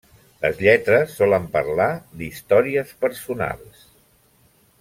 Les lletres solen parlar d'històries personals.